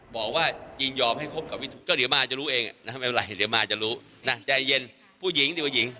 บอกว่าจริงยอมให้คบกับวิทูปก็เดี๋ยวมาจะรู้เอง